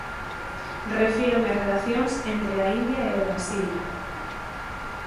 Refírome ás relacións entre a India e o Brasil